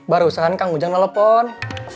barusan kang ujang nelfon